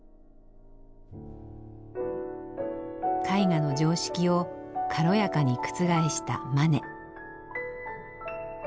絵画の常識を軽やかに覆したマネ。